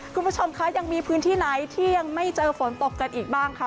คุณผู้ชมคะยังมีพื้นที่ไหนที่ยังไม่เจอฝนตกกันอีกบ้างค่ะ